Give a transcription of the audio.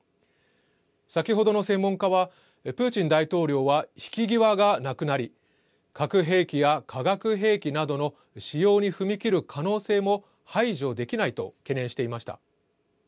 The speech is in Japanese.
先ほどの専門家は、プーチン大統領は引き際がなくなり、核兵器や化学兵器などの使用に踏み切る可能性も排除できないと懸念していました。